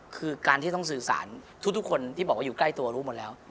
คือการที่ต้องสื่อสารทุกคนที่บอกว่าอยู่ใกล้ตัวรู้หมดแล้ว